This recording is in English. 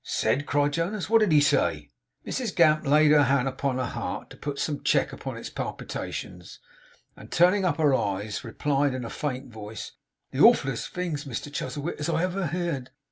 'Said!' cried Jonas. 'What did he say?' Mrs Gamp laid her hand upon her heart, to put some check upon its palpitations, and turning up her eyes replied in a faint voice: 'The awfulest things, Mr Chuzzlewit, as ever I heerd!